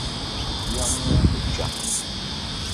Yɛm nyandi kpiɔŋ.